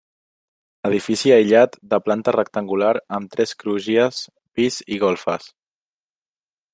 Edifici aïllat, de planta rectangular, amb tres crugies, pis i golfes.